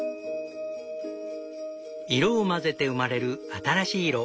色を混ぜて生まれる新しい色。